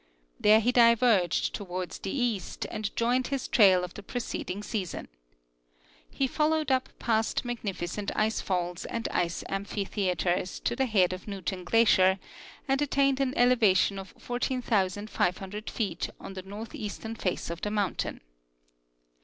There he diverged toward the east and joined his trail of the preceding sea son. He followed up past magnificent ice falls and ice ampithe aters to the head of Newton glacier, and attained an elevation of 14,500 feet on the northeastern face of the mountain.